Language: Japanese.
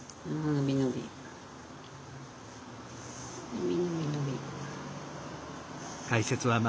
伸び伸び伸び。